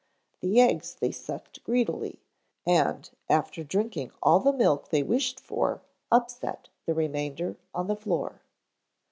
The eggs they sucked greedily, and after drinking all the milk they wished for, upset the remainder on the floor.